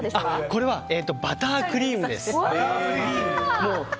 これはバタークリームです。